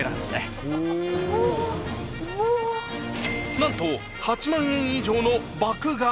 覆鵑８万円以上の爆買い。